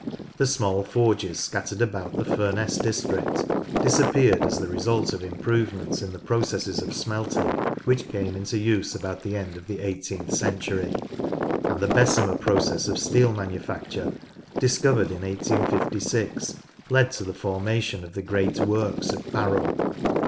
The small forces scattered about the Furness district disappeared as the result of improvements in the processes of smelting which came into use about the end of the eighteenth century ; and the Bessemer process of steel manufacture discovered in 1856 led to the formation of the great works at Barrow.